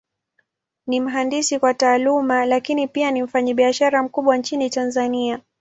Ni mhandisi kwa Taaluma, Lakini pia ni mfanyabiashara mkubwa Nchini Tanzania.